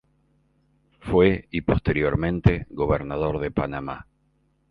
Fue y posteriormente Gobernador de Panamá.